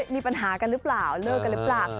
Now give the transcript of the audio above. มีปัญหากันหรือเปล่า